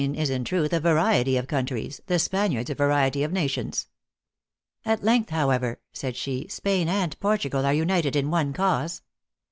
277 is in truth a variety of countries, the Spaniards a variety of nations." " At length, however," said she, "Spain and Portu gal are united in one cause."